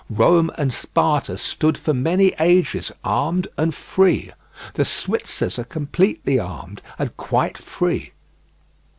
Rome and Sparta stood for many ages armed and free. The Switzers are completely armed and quite free.